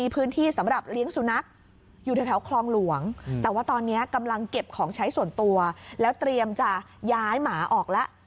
พื้นที่สำหรับเลี้ยงสุนัขอยู่แถวคลองหลวงแต่ว่าตอนนี้กำลังเก็บของใช้ส่วนตัวแล้วเตรียมจะย้ายหมาออกแล้ว